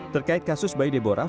terkait kasus bayi debo rasiman